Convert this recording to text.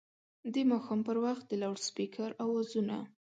د ماښام پر وخت د لوډسپیکر اوازونه